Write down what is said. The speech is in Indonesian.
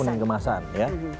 kuning kemasan ya